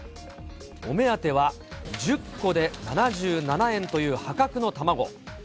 お目当ては、１０個で７７円という破格の卵。